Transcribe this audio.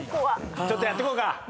ちょっとやっとこうか。